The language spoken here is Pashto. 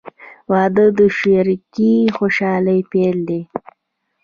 • واده د شریکې خوشحالۍ پیل دی.